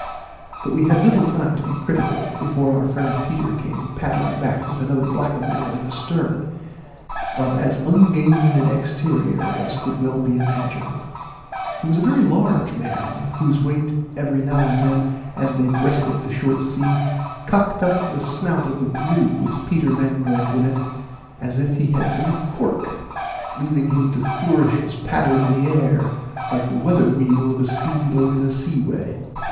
But we had little time to be critical, before our friend Peter came paddling back with another blackamoor in the stern, of as ungainly an exterior as could well be imagined. He was a very large man, whose weight every now and then, as they breasted the short sea, cocked up the snout of the canoe with Peter Mangrove in it, as if he had been a cork, leaving him to flourish his paddle in the air, like the weather wheel of a steam boat in a sea way.